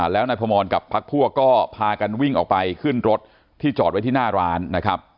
แล้วนายพมรกับพักพวกก็พากันวิ่งออกไปขึ้นรถที่จอดไว้ที่หน้าร้านนะครับ